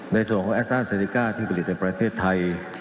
ในส่วนของแอสต้าเซนิก้าที่ผลิตในประเทศไทย